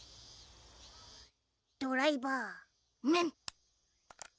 ドライバーメン！